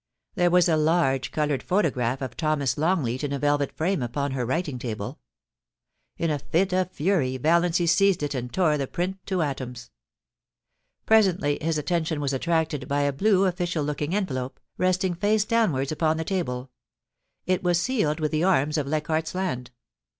There was a large coloured photograph of Thomas Longleat in a velvet frame upon her writing table. In a fit of fury Valiancy seized it and tore the print to atoms. Pre sently his attention was attracted by a blue official looking envelope, resting face downwards upon the table ; it was sealed with the arms of Leichardt's Land.